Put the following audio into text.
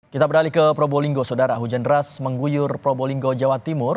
kita beralih ke probolinggo saudara hujan deras mengguyur probolinggo jawa timur